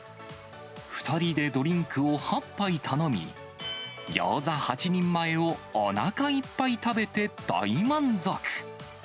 ２人でドリンクを８杯頼み、餃子８人前をおなかいっぱい食べて大満足。